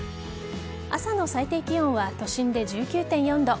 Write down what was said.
朝の最低気温は都心で１９．４度。